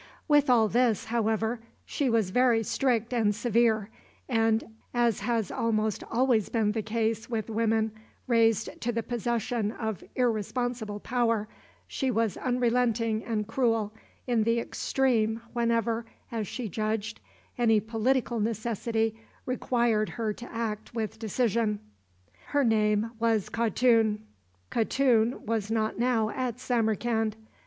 With all this, however, she was very strict and severe, and, as has almost always been the case with women raised to the possession of irresponsible power, she was unrelenting and cruel in the extreme whenever, as she judged, any political necessity required her to act with decision. Her name was Khatun.[E] [Footnote E: Pronounced Cah toon.] Khatun was not now at Samarcand.